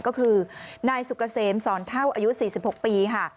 ก็คือนายสุกเกษมสอนเท่าอายุ๔๖ปีค่ะ